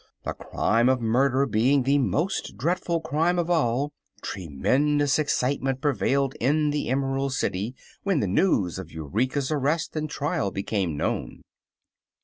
The crime of murder being the most dreadful crime of all, tremendous excitement prevailed in the Emerald City when the news of Eureka's arrest and trial became known.